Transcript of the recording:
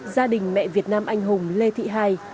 gia đình mẹ việt nam anh hùng lê thị hai